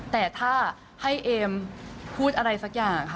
แต่ถ้าให้เอมพูดอะไรสักอย่างค่ะ